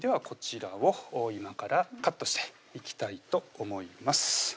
こちらを今からカットしていきたいと思います